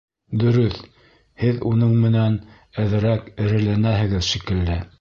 Дөрөҫ, һеҙ уның менән әҙерәк эреләнәһегеҙ шикелле.